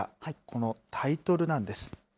このタイトルなんです。